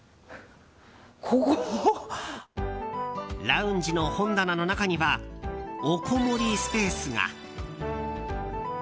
ラウンジの本棚の中にはおこもりスペースが。